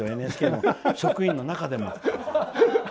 ＮＨＫの職員の中でも！